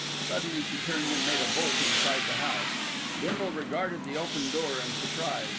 Suddenly she turned and made a bolt inside the house. Bindle regarded the open door in surprise.